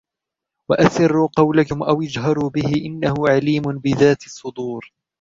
وأسروا قولكم أو اجهروا به إنه عليم بذات الصدور